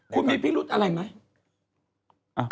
คุณมีพิรุธอะไรไหม